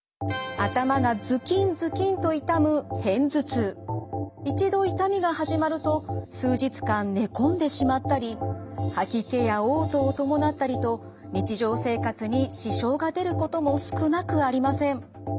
頭がズキンズキンと痛む一度痛みが始まると数日間寝込んでしまったり吐き気やおう吐を伴ったりと日常生活に支障が出ることも少なくありません。